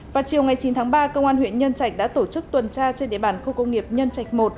vào chiều ngày chín tháng ba công an huyện nhân trạch đã tổ chức tuần tra trên địa bàn khu công nghiệp nhân trạch một